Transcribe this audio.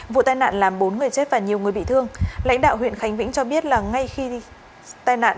vụ tai nạn làm bốn người chết và nhiều người bị thương lãnh đạo huyện khánh vĩnh cho biết là ngay khi tai nạn